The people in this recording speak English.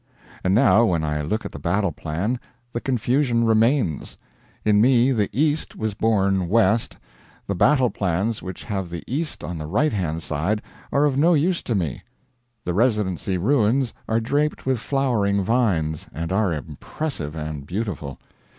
And now, when I look at the battle plan, the confusion remains. In me the east was born west, the battle plans which have the east on the right hand side are of no use to me. The Residency ruins are draped with flowering vines, and are impressive and beautiful.